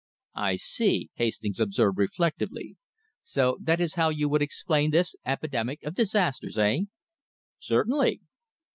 "I see," Hastings observed, reflectively. "So that is how you would explain this epidemic of disasters, eh?" "Certainly!"